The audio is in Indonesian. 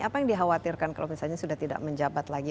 apa yang dikhawatirkan kalau misalnya sudah tidak menjabat lagi